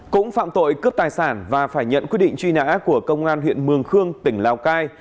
cũng phạm tội cướp tài sản và phải nhận quyết định truy nã của công an huyện mường khương tỉnh lào cai